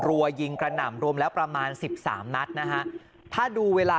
รัวยิงกระหน่ำรวมแล้วประมาณสิบสามนัดนะฮะถ้าดูเวลา